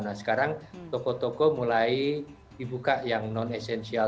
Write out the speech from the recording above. nah sekarang toko toko mulai dibuka yang non esensial